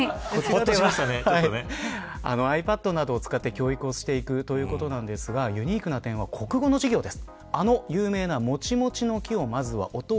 ｉＰａｄなどを使った教育をしていくということなんですがユニークな点は国語の授業です。